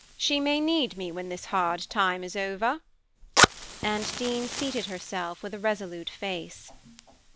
She may need me when this hard time is over." And Dean seated herself with a resolute face.